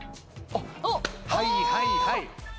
はいはいはい。